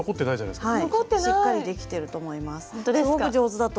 しっかりできてると思います。